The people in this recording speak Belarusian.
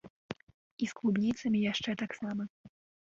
І з клубніцамі яшчэ таксама!